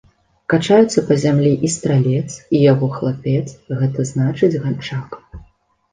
Качаюцца па зямлі і стралец, і яго хлапец, гэта значыць ганчак.